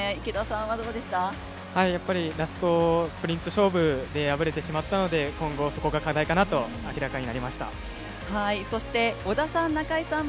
ラストスプリント勝負で負けてしまったので今後、そこが課題かなと明らかになりました。